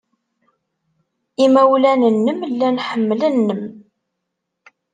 Imawlan-nnem llan ḥemmlen-m.